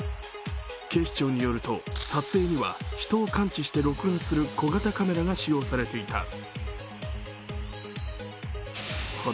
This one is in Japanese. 警視庁によると、撮影には人を感知して録画する小型カメラが使用されていた。